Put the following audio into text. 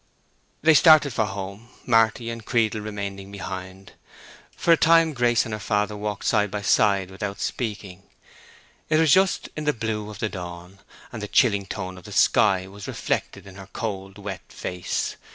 They started for home, Marty and Creedle remaining behind. For a time Grace and her father walked side by side without speaking. It was just in the blue of the dawn, and the chilling tone of the sky was reflected in her cold, wet face.